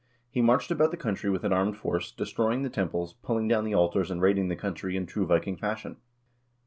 He marched about the country with an armed force, de stroying the temples, pulling down the altars, and raiding the country in true Viking fashion.